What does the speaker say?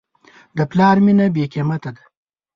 د پلار مینه بېقیمت ده.